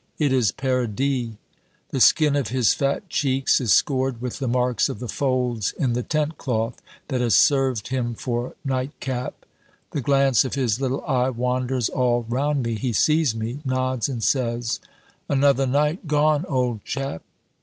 It is Paradis. The skin of his fat cheeks is scored with the marks of the folds in the tent cloth that has served him for night cap. The glance of his little eye wanders all round me; he sees me, nods, and says "Another night gone, old chap."